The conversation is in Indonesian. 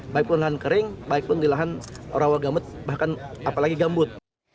baikpun lahan kering baikpun di lahan rawa gambut bahkan apalagi gambut